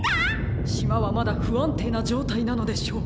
しまはまだふあんていなじょうたいなのでしょう。